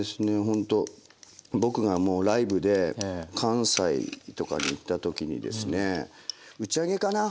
ほんと僕がもうライブで関西とかに行った時にですね打ち上げかな？